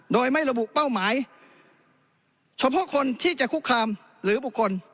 โดยไม่ระบุเป้าหมายเฉพาะคนที่จะคุกคามหรือบุคคล